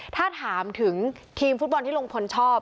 ถ้าถามถึงทีมฟุตบอลที่ลุงพลชอบ